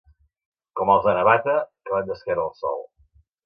Com els de Navata, que van d'esquena al sol.